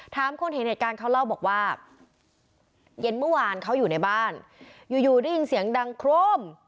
ถามคนเห็นเหตุการณ์เขาเล่าบอกว่าเย็นเมื่อวานเขาอยู่ในบ้านอยู่อยู่ได้ยินเสียงดังโครม